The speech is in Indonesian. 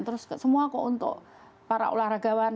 terus semua kok untuk para olahragawan